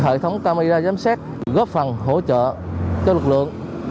hệ thống camera giám sát góp phần hỗ trợ cho lực lượng